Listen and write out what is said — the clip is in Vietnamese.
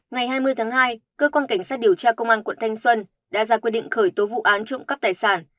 ngày hai mươi tháng hai cơ quan cảnh sát điều tra công an tp hà nội đã ra quyết định khởi tố vụ án trộm cắp tài sản